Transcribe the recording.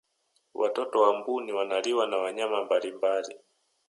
watoto wa mbuni wanaliwa na wanyama mbalimbali